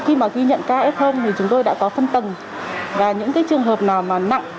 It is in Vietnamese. khi mà ghi nhận ca f thì chúng tôi đã có phân tầng và những trường hợp nào mà nặng